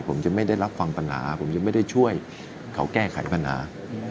ผมจะไม่ได้รับฟังปัญหาผมจะไม่ได้ช่วยเขาแก้ไขปัญหา